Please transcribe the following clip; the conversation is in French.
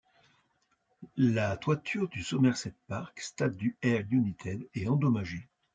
La toiture du Somerset Park, stade du Ayr United, est endommagée.